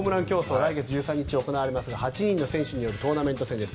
来月１３日に行われますが８人の選手によるトーナメント戦です。